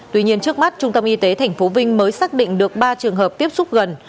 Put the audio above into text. tuy nhiên trước mắt trung tâm y tế tp vinh mới xác định được ba trường hợp tiếp xúc gần